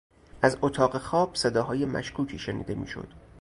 از اتاق خواب صداهای مشکوکی شنیده میشد.